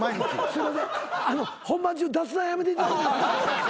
すいません本番中雑談やめていただいて。